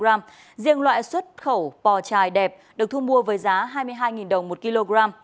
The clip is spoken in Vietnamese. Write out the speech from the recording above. riêng loại xuất khẩu bò chài đẹp được thu mua với giá hai mươi hai đồng một kg